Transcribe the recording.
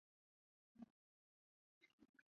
常州武进人。